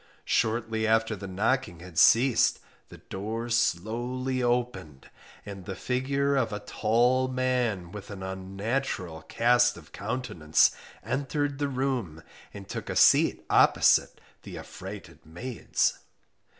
Shortly after the knocking had ceased, the door slowly opened, and the figure of a tall man with an unnatural cast of countenance entered the room and took a seat opposite the affrighted maids.